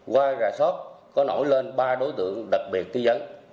qua ra sót có nổi lên ba đối tượng đặc biệt nghi dấn